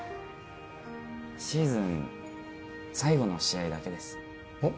シーズン最後の試合だけですえっ？